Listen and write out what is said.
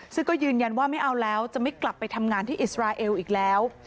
ซึ่งก็ยืนยันว่าไม่เอาแล้วจะไม่กลับไปทำงานที่อิสราเอลอีกแล้ว